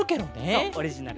そうオリジナル。